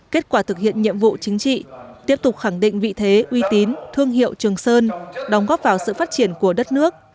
kết quả thực hiện nhiệm vụ chính trị tiếp tục khẳng định vị thế uy tín thương hiệu trường sơn đóng góp vào sự phát triển của đất nước